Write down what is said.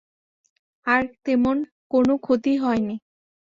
আর তেমন কোনো ক্ষতিই হয় নি।